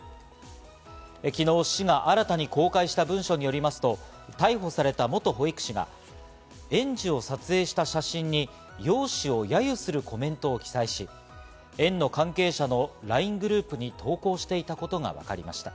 昨日、市が新たに公開した文書によりますと、逮捕された元保育士が園児を撮影した写真に容姿を揶揄するコメントを記載し、園の関係者のＬＩＮＥグループに投稿していたことがわかりました。